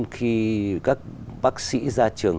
khi các bác sĩ ra trường